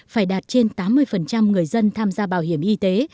phải đạt trên tám mươi người dân tham gia bảo hiểm y tế